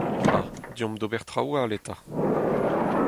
Ma, deomp d'ober traoù all eta.